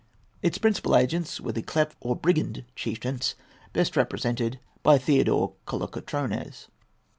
Its principal agents were the klepht or brigand chieftains, best represented by Theodore Kolokotrones.